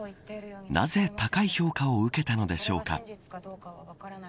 なぜ高い評価を受けたのでしょうか。